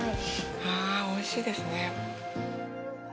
あぁ、おいしいですね。